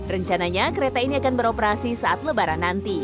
rencananya kereta ini akan beroperasi saat lebaran nanti